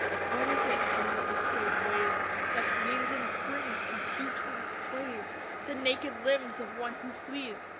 What is it in the vistaed ways That leans and springs, and stoops and sways? The naked limbs of one who flees?